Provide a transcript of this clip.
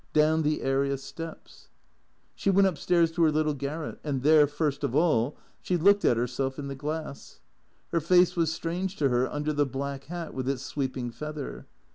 down the area steps. She went up stairs to her little garret, and there, first of all, she looked at herself in the glass. Her face was strange to her under the black hat with its sweeping feather.